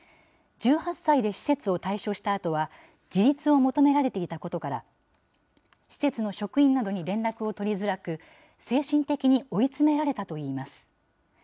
１８歳で施設を退所したあとは、自立を求められていたことから、施設の職員などに連絡を取りづらく、精神的に追い詰められたといいます。